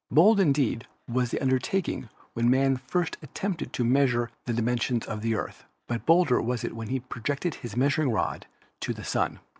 Bold indeed was the undertaking when man first attempted to measure the dimensions of the Earth, but bolder was it when he projected his measuring rod to the Sun.